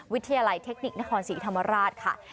วิทยาลัยเทคนิคนครศรีธรรมราชค่ะ